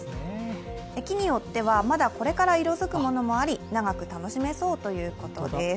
木によっては、まだこれから色づくものもあり、長く楽しめそうということです。